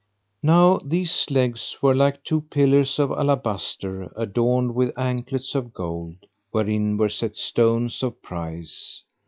"[FN#527] Now these legs were like two pillars of alabaster adorned with anklets of gold, wherein were set stones of price.